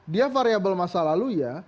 dia variable masa lalu ya